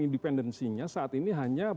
independensinya saat ini hanya